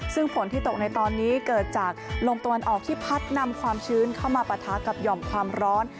ซึ่งฝนที่ตกในตอนนี้เกิดจากลมตะวันออกที่พัดนำความชื้นเข้ามาปะทะกับหย่อมความร้อน